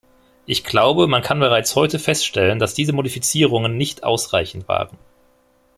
Ich glaube, man kann bereits heute feststellen, dass diese Modifizierungen nicht ausreichend waren.